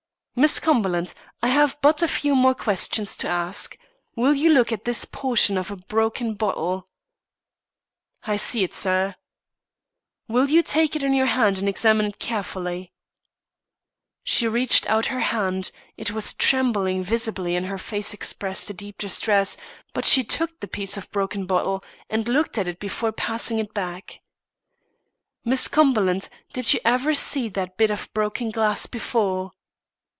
"Miss Cumberland, I have but a few more questions to ask. Will you look at this portion of a broken bottle?" "I see it, sir." "Will you take it in your hand and examine it carefully?" She reached out her hand; it was trembling visibly and her face expressed a deep distress, but she took the piece of broken bottle and looked at it before passing it back. "Miss Cumberland, did you ever see that bit of broken glass before?"